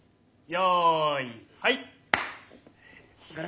よいはい。